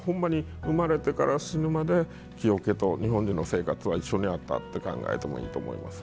生まれてから死ぬまで、木桶と日本人の生活は一緒にあったって考えてもいいと思います。